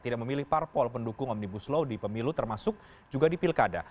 tidak memilih parpol pendukung omnibus law di pemilu termasuk juga di pilkada